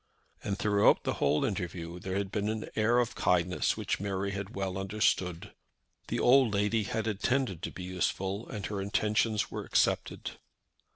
And throughout the whole interview there had been an air of kindness which Mary had well understood. The old lady had intended to be useful, and her intentions were accepted.